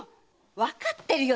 わかってるよ